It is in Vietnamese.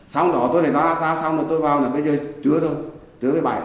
xong đó tôi lại ra ra xong rồi tôi vào là bây giờ trưa rồi